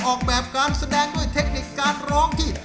ออกแบบการแสดงด้วยเทคนิคการร้องที่